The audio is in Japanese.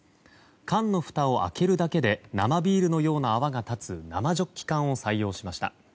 缶のふたを開けるだけで生ビールのような泡が立つ生ジョッキ缶を採用しました。